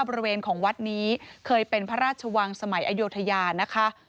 บริเวณของวัดนี้เคยเป็นพระราชวังสมัยอโยธยานะคะ